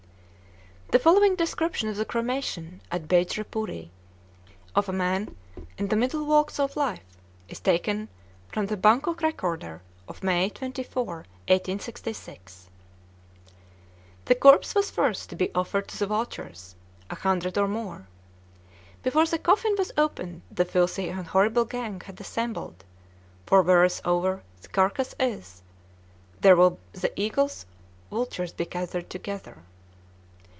The following description of the cremation, at Bejrepuri, of a man "in the middle walks of life," is taken from the Bangkok Recorder of May 24, 1866: "The corpse was first to be offered to the vultures, a hundred or more. Before the coffin was opened the filthy and horrible gang had assembled, 'for wheresoever the carcass is, there will the eagles (vultures) be gathered together.'